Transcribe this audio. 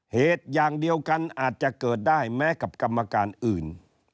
เหตุอย่างเดียวกันอาจจะเกิดได้แม้กับกรรมการอื่น